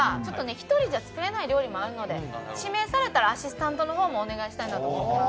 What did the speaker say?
１人じゃ作れない料理もあるので指名されたらアシスタントの方もお願いしたいなと思ってます。